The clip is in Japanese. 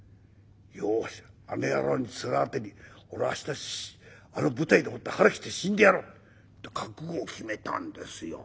よしあの野郎に面当てに俺は明日あの舞台でもって腹切って死んでやろう」。って覚悟を決めたんですよ。